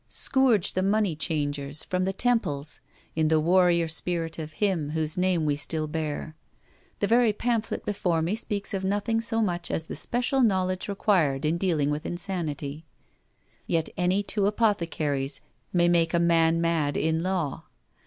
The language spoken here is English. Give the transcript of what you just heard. Scourge the money changers from the temples, in the warrior spirit of Him whose name we still bear. The very pamphlet before me speaks of nothing so much as of the special knowledge required in dealing with insanity; yet any two apothecaries may make a man mad in law.